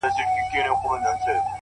o لکه چي مخکي وې هغسي خو جانانه نه يې،